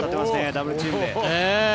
ダブルチームで。